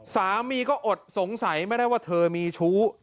สามีก็อดสงสัยไม่ได้ว่าเธอมีชู้